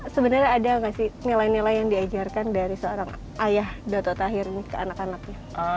sebenarnya ada nggak sih nilai nilai yang diajarkan dari seorang ayah dato tahir ini ke anak anaknya